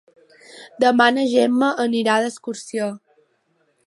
Demà na Gemma anirà d'excursió.